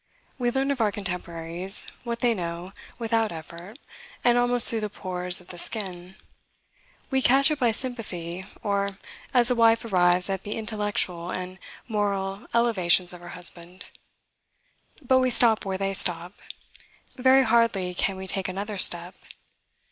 We learn of our contemporaries, what they know, without effort, and almost through the pores of the skin. We catch it by sympathy, or, as a wife arrives at the intellectual and moral elevations of her husband. But we stop where they stop. Very hardly can we take another step.